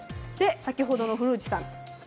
先ほどの古内さん。